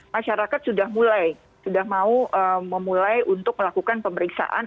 masyarakat sudah mulai sudah mau memulai untuk melakukan pemeriksaan